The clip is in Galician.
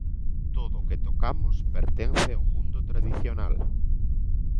Todo o que tocamos pertence ao mundo tradicional.